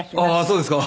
そうですか。